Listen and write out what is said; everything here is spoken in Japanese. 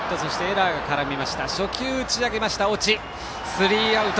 スリーアウト。